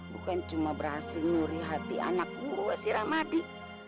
bukan cuma berhasil nyuri hati anak buah si ramadi